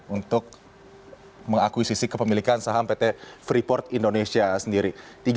tiga delapan puluh sembilan untuk mengakuisisi kepemilikan saham pt freeport indonesia sendiri